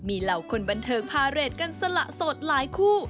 มีเหล่าคนบันเทิงพาเรทกันสละสดหลายคู่